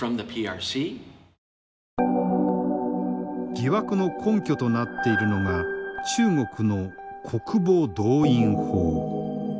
疑惑の根拠となっているのが中国の国防動員法。